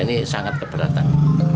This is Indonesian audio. ini sangat keberatan